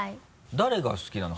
誰が好きなの？